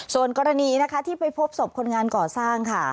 โซนกรณีที่ไปพบศพคนงานก่อสร้างค่ะ